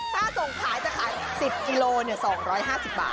ถ้าส่งขายจะขาย๑๐กิโล๒๕๐บาท